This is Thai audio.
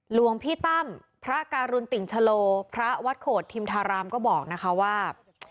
หลวงพี่ตั้มพระการุณติ่งชะโลพระวัดโขดทิมธารามก็บอกนะคะว่า